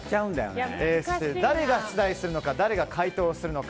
そして誰が出題するのか誰が解答するのか。